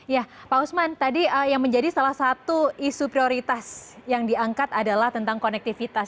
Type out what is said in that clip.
ya pak usman tadi yang menjadi salah satu isu prioritas yang diangkat adalah tentang konektivitas